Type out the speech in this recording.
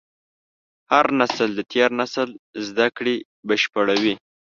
هر نسل د تېر نسل زدهکړې بشپړوي.